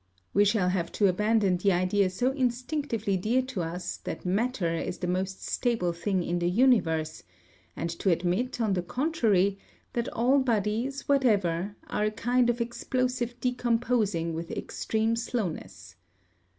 We shall have to abandon the idea so instinctively dear to us that matter is the most stable thing in the universe, and to admit, on the contrary, that all bodies whatever are a kind of explosive decomposing with extreme slowness.